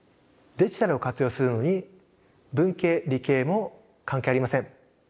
デジタルを活用するのに文系・理系も関係ありません。